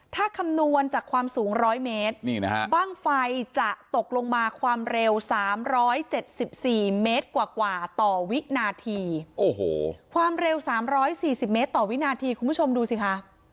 ถ้าคำนวณจากความสูง๑๐๐เมตรบ้างไฟจะตกลงมาความเร็ว๓๗๔เมตรกว่าต่อวินาทีโอ้โหความเร็ว๓๔๐เมตรต่อวินาทีคุณผู้ชมดูสิคะ